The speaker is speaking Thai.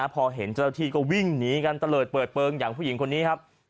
พอเห็นเจ้าหน้าที่ก็วิ่งหนีกันตะเลิศเปิดเปลืองอย่างผู้หญิงคนนี้ครับ